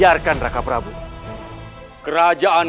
saya sudah terima saranan